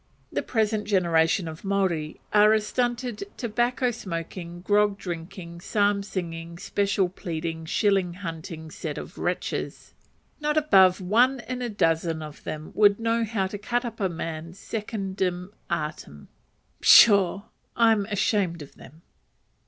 The present generation of Maori are a stunted, tobacco smoking, grog drinking, psalm singing, special pleading, shilling hunting set of wretches: not above one in a dozen of them would know how to cut up a man secundum artem. 'Pshaw! I am ashamed of them.